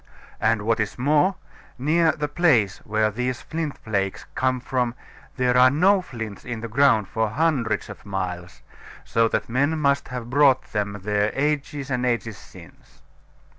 And what is more, near the place where these flint flakes come from there are no flints in the ground for hundreds of miles; so that men must have brought them there ages and ages since.